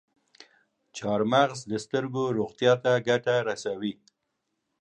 چارمغز د سترګو روغتیا ته ګټه رسوي.